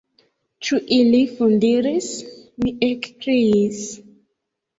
Ĉu ili fundiris!? mi ekkriis.